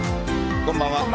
こんばんは。